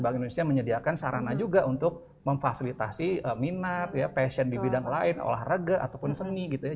bank indonesia menyediakan sarana juga untuk memfasilitasi minat ya passion di bidang lain olahraga ataupun seni gitu ya